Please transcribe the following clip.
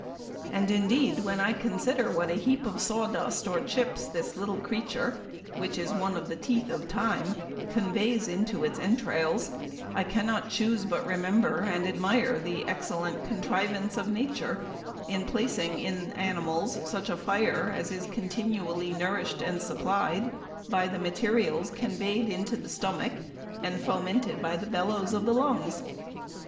And, indeed, when I consider what a heap of sawdust or chips this little creature (which is one of the teeth of Time) conveys into its intrals, I cannot chuse but remember and admire the excellent contrivance of Nature in placing in animals such a fire, as is continually nourished and supply'd by the materials convey'd into the stomach and fomented by the bellows of the lungs."